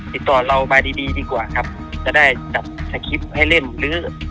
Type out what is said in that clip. ติดต่อเรามาดีดีดีกว่าครับจะได้ดับให้เล่นหรือ